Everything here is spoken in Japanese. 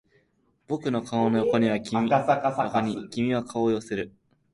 僕の顔の横に君は顔を寄せる